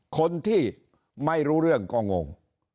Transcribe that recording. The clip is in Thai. คนที่ไม่รู้เรื่องก็งง